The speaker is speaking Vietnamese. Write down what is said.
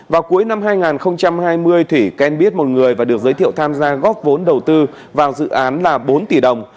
vào cuối năm hai nghìn hai mươi thủy quen biết một người và được giới thiệu tham gia góp vốn đầu tư vào dự án là bốn tỷ đồng